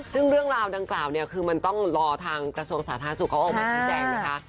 ซึ่งเรื่องราวดังกล่าวเนี่ยคือมันต้องรอทางกระทรวงสาธารณสุขเขาออกมาชี้แจงนะคะ